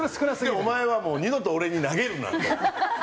「お前はもう二度と俺に投げるな」と。